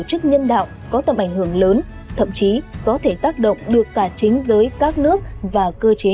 chức nhân đạo có tầm ảnh hưởng lớn thậm chí có thể tác động được cả chính giới các nước và cơ chế